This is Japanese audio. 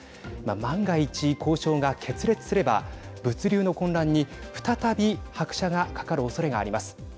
万が一交渉が決裂すれば、物流の混乱に再び拍車がかかるおそれがあります。